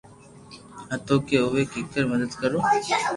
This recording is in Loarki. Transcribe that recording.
ھتو ڪي اووي ڪوڪر مدد ڪرو